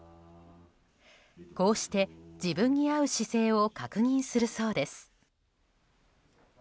こうして、自分に合う姿勢を確認するそうです。